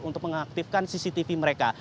untuk mengaktifkan cctv mereka